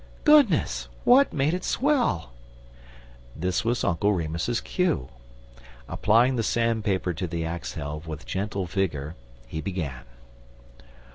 "Goodness! what made it swell?" This was Uncle Remus's cue. Applying the sand paper to the axe helve with gentle vigor, he began.